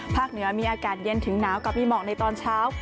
เหนือมีอากาศเย็นถึงหนาวกับมีหมอกในตอนเช้า